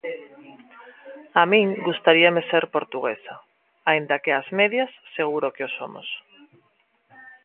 A min gustaríame ser portuguesa, aínda que ás medias seguro que o somos.